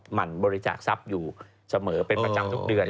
หั่นบริจาคทรัพย์อยู่เสมอเป็นประจำทุกเดือน